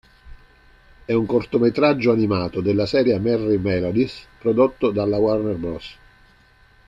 È un cortometraggio animato della serie "Merrie Melodies", prodotto dalla Warner Bros.